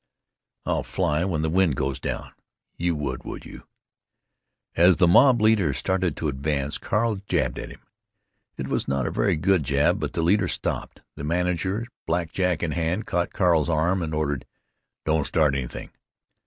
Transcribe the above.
I'll fly when the wind goes down——You would, would you?" As the mob leader started to advance, Carl jabbed at him. It was not a very good jab. But the leader stopped. The manager, black jack in hand, caught Carl's arm, and ordered: "Don't start anything!